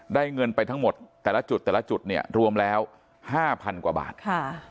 เงินไปทั้งหมดแต่ละจุดแต่ละจุดเนี่ยรวมแล้ว๕๐๐๐กว่าบาท